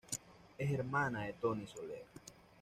Es hermana de Toni Soler.